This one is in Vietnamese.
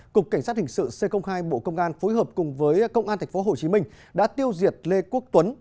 cục cảnh sát hình sự c hai bộ công an phối hợp cùng với công an tp hcm đã tiêu diệt lê quốc tuấn